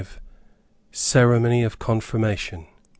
CEREMONY OF CONFIRMATION.